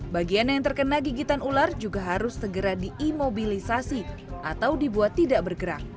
bagian yang terkena gigitan ular juga harus segera diimobilisasi atau dibuat tidak bergerak